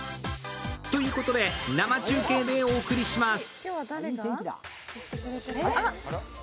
ということで生中継でお送りします。